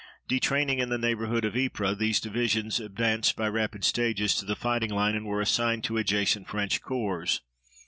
Detraining in the neighborhood of Ypres, these divisions advanced by rapid stages to the fighting line and were assigned to adjacent French corps.